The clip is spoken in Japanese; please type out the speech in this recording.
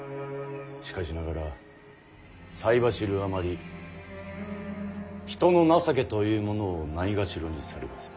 しかしながら才走るあまり人の情けというものをないがしろにされます。